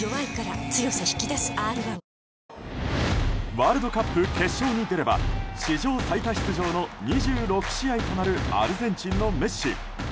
ワールドカップ決勝に出れば史上最多出場の２６試合となるアルゼンチンのメッシ。